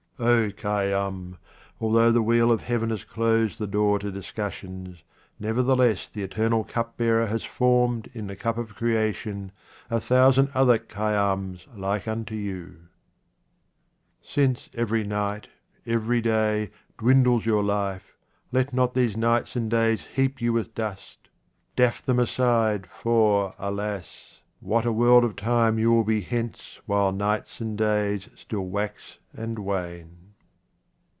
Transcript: O Khayyam, although the wheel of Heaven has closed the door to discussions, nevertheless the eternal cupbearer has formed hi the cup of creation a thousand other Khayyams like unto you. Since every night, every day, dwindles your life, let not these nights and days heap you with dust. Daff them aside, for, alas ! what a 24 QUATRAINS OF OMAR KHAYYAM world of time you will be hence while nights and days still wax and wane.